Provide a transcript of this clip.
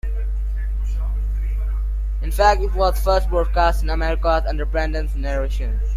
In fact, it was first broadcast in America under Brandon's narration.